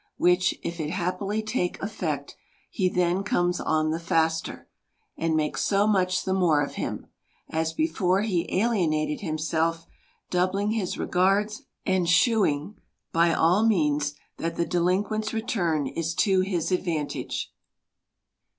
Which, if it happily take effect, he then comes on the faster, and makes so much the more of him, as before he alienated himself; doubling his regards, and shewing, by all means, that the delinquent's return is to his advantasre.